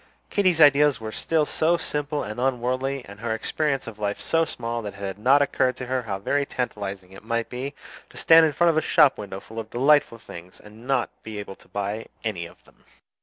Katy's ideas were still so simple and unworldly, and her experience of life so small, that it had not occurred to her how very tantalizing it might be to stand in front of shop windows full of delightful things and not be able to buy any of them.